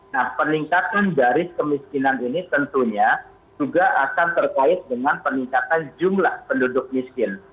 nah peningkatan dari kemiskinan ini tentunya juga akan terkait dengan peningkatan jumlah penduduk miskin